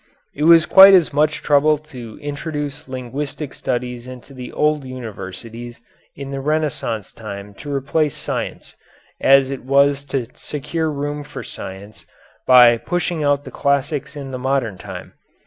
It was quite as much trouble to introduce linguistic studies into the old universities in the Renaissance time to replace science, as it was to secure room for science by pushing out the classics in the modern time.